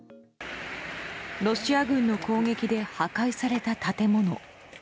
ロシア軍の攻撃で破壊された建物。